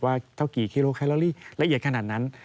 เท่ากี่กิโลแคลอรี่ละเอียดขนาดนั้น